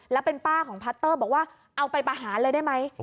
แล้วเป็นป้าของพัตเตอร์บอกว่าเอาไปประหารเลยได้ไหม